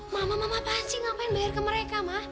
mama mama apaan sih ngapain bayar ke mereka ma